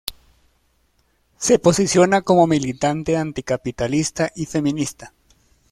Se posiciona como militante anticapitalista y feminista.